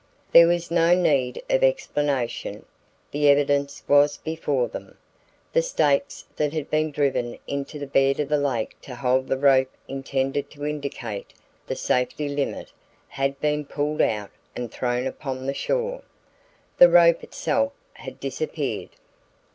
There was no need of explanation. The evidence was before them. The stakes that had been driven into the bed of the lake to hold the rope intended to indicate the safety limit had been pulled out and thrown upon the shore. The rope itself had disappeared.